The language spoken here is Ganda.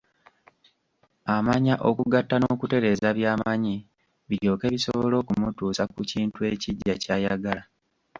Amanya okugatta n'okutereeza by'amanyi, biryoke bisobole okumutuusa ku kintu ekiggya ky'ayagala.